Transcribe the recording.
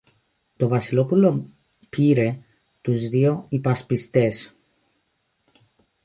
Το Βασιλόπουλο πήρε τους δυο υπασπιστές